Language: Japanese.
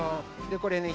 でこれね